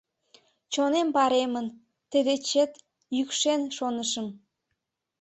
Чонем паремын, тый дечет йӱкшен шонышым...